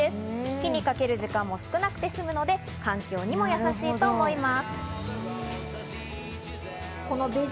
火にかける時間も少なくて済むので、環境にもやさしいと思います。